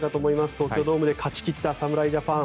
東京ドームで勝ち切った侍ジャパン。